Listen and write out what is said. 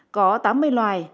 có tám mươi loài